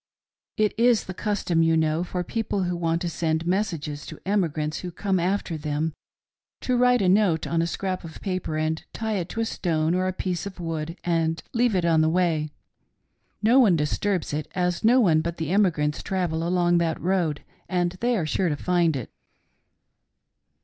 It is the custom, you know, for people who want to send messages to emigrants who come after them, to write a note on a scrap of paper and tie it to a stone or a piece of wood and leave it on the way. No one disturbs it, as no one but the emigrants travel along that road, and they are sure to find it.